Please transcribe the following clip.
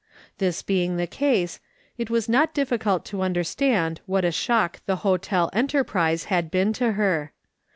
This being the case, it was not difficult to under stand what a shock the hotel enterprise had been to her.